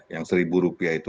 yang seribu rupiah itu